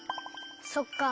そっか。